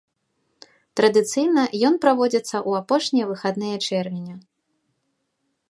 Традыцыйна ён праводзіцца ў апошнія выхадныя чэрвеня.